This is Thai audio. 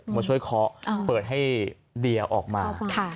มาช่วยเคาะเปิดให้เดียออกมา